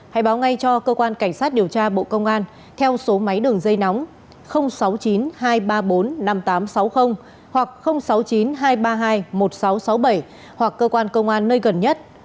hãy báo ngay cho cơ quan cảnh sát điều tra bộ công an theo số máy đường dây nóng sáu mươi chín hai trăm ba mươi bốn năm nghìn tám trăm sáu mươi hoặc sáu mươi chín hai trăm ba mươi hai một nghìn sáu trăm sáu mươi bảy hoặc cơ quan công an nơi gần nhất